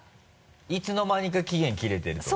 いつの間にか期限切れてるとか。